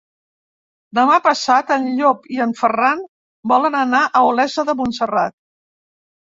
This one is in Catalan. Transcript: Demà passat en Llop i en Ferran volen anar a Olesa de Montserrat.